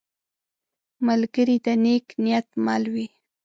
ملګری د نیک نیت مل وي